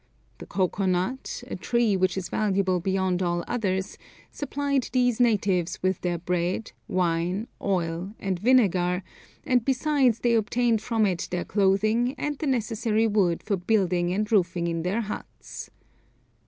The cocoa nut, a tree which is valuable beyond all others, supplied these natives with their bread, wine, oil, and vinegar, and besides they obtained from it their clothing and the necessary wood for building and roofing in their huts.